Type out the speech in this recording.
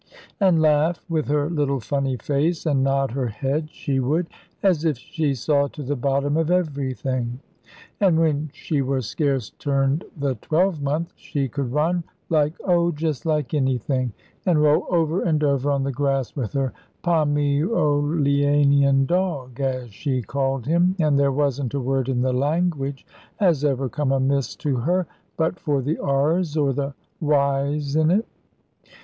And laugh with her little funny face, and nod her head, she would, as if she saw to the bottom of everything. And when she were scarce turned the twelvemonth, she could run, like oh, just like anything, and roll over and over on the grass with her 'Pomyolianian dog,' as she called him, and there wasn't a word in the language as ever come amiss to her, but for the r's or the y's in it.